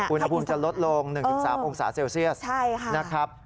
อุณหภูมิจะลดลง๑๓องศาเซลเซียสนะครับ